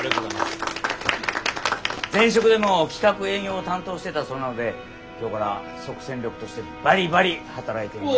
前職でも企画営業を担当してたそうなので今日から即戦力としてバリバリ働いて。